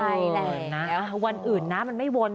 ใช่แหละวันอื่นนะมันไม่วน